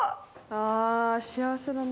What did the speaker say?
あ幸せだな。